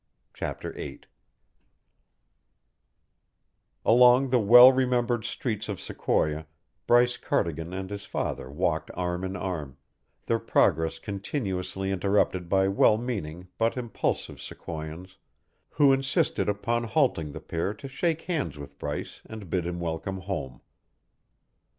CHAPTER VII Along the well remembered streets of Sequoia Bryce Cardigan and his father walked arm in arm, their progress continuously interrupted by well meaning but impulsive Sequoians who insisted upon halting the pair to shake hands with Bryce and bid him welcome home.